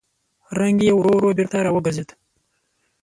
رنګ يې ورو ورو بېرته راوګرځېد.